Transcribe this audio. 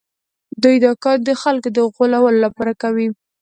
دوی دا کار د خلکو د غولولو لپاره کوي